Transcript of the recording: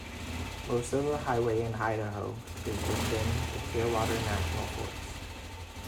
Most of the highway in Idaho is within the Clearwater National Forest.